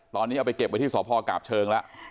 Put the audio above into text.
ตอนนี้เอาไปเก็บไว้ที่สพกาบเชิงแล้ว